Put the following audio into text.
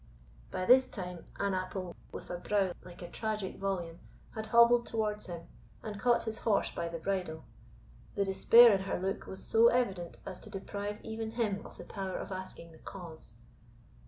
By this time Annaple, with a brow like a tragic volume, had hobbled towards him, and caught his horse by the bridle. The despair in her look was so evident as to deprive even him of the power of asking the cause.